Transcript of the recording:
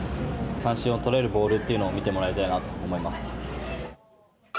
三振を取れるボールというのを見てもらいたいなと思います。